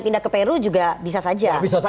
pindah ke peru juga bisa saja